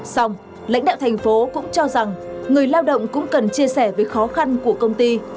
xong lãnh đạo thành phố cũng cho rằng người lao động cũng cần chia sẻ với khó khăn của công ty